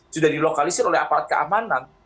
sudah dilokalisir oleh aparat keamanan